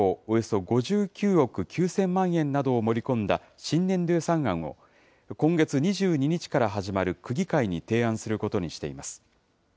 およそ５９億９０００万円などを盛り込んだ新年度予算案を今月２２日から始まる区議会に提案することにしています。